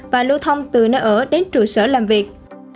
và lưu thông từ nơi ở đến trụ sở làm việc